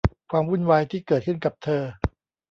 ความวุ่นวายที่เกิดขึ้นกับเธอ